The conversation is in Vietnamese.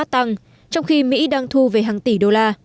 trong khi mỹ đang thu về hàng tỷ đô la